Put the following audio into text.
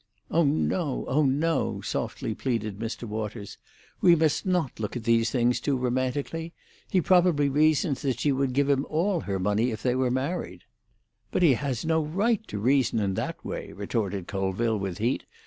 "Oh no, oh no," softly pleaded Mr. Waters. "We must not look at these things too romantically. He probably reasons that she would give him all her money if they were married." "But he has no right to reason in that way," retorted Colville, with heat.